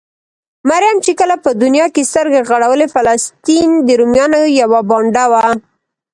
مريم چې کله په دونيا کې سترګې غړولې؛ فلسطين د روميانو يوه بانډه وه.